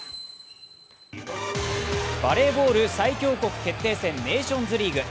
バレーボール最強国決定戦ネーションズリーグ。